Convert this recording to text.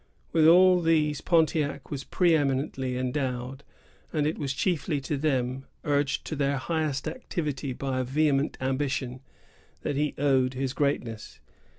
With all these Pontiac was pre eminently endowed, and it was chiefly to them, urged to their highest activity by a vehement ambition, that he owed his greatness.